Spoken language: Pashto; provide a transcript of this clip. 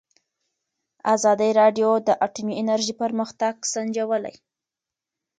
ازادي راډیو د اټومي انرژي پرمختګ سنجولی.